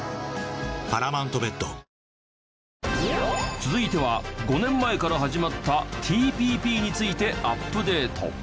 続いては５年前から始まったＴＰＰについてアップデート。